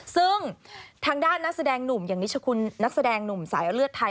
ซึ่งทางด้านนักแสดงหนุ่มอย่างนิชคุณนักแสดงหนุ่มสายเลือดไทย